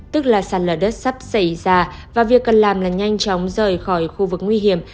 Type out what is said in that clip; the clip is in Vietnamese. tức là sạt lở đất sắp xảy ra và việc cần làm là nhanh chóng rời khỏi khu vực nguy hiểm